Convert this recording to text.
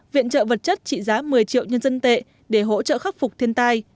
viện trợ vật chất trị giá một mươi triệu nhân dân tệ để hỗ trợ khắc phục thiên tai